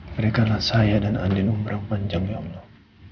berikanlah saya dan andin umur yang panjang ya allah